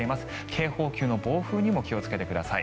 警報級の暴風にも気をつけてください。